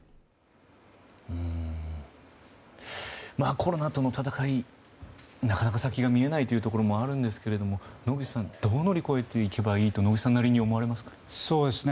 コロナとの闘い、なかなか先が見えないというところもあるんですけれども野口さんどう乗り越えていけばいいと野口さんなりに思われますか？